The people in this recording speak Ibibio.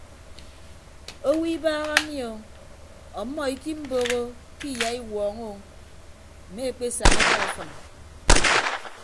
Owo ibaha mi o ọmmọ ikiimboho ke iyaiwuọñọ o mme ekpesaña ebọ afịm.